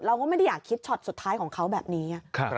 เราก็ไม่ได้อยากคิดช็อตสุดท้ายของเขาแบบนี้